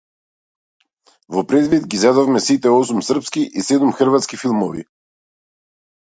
Во предвид ги зедовме сите осум српски и седум хрватски филмови.